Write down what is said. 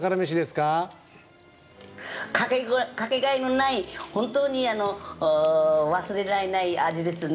かけがえのない本当に忘れられない味ですね。